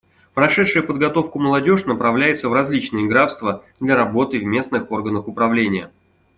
Прошедшая подготовку молодежь направляется в различные графства для работы в местных органах управления.